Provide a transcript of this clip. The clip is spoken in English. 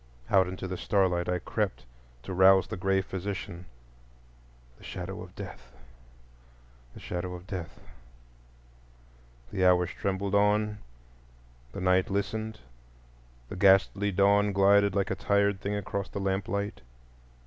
Out into the starlight I crept, to rouse the gray physician,—the Shadow of Death, the Shadow of Death. The hours trembled on; the night listened; the ghastly dawn glided like a tired thing across the lamplight.